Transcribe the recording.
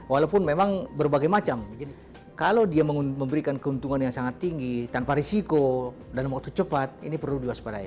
walaupun memang berbagai macam kalau dia memberikan keuntungan yang sangat tinggi tanpa risiko dalam waktu cepat ini perlu diwaspadai